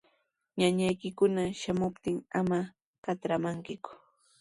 Ñakaykuna shamuptin ama katramankiku.